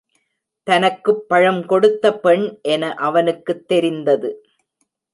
தனக்குப் பழம் கொடுத்த பெண் என அவனுக்குத் தெரிந்தது.